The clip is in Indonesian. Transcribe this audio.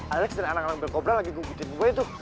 alex dan anak anak belkobra lagi ngikutin gue tuh